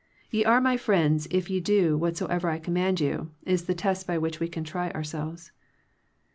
" Ye are My friends if ye do whatsoever I command you," is the test by which we can try ourselves.